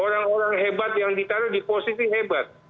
orang orang hebat yang ditaruh di posisi hebat